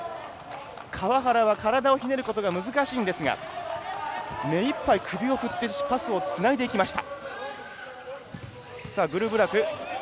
川原は体をひねることが難しいんですが目いっぱい首を振ってパスを回してきました。